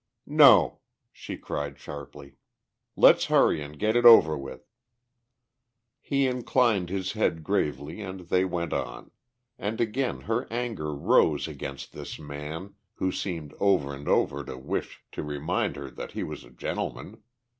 "No," she cried sharply. "Let's hurry and get it over with!" He inclined his head gravely and they went on. And again her anger rose against this man who seemed over and over to wish to remind her that he was a gentleman.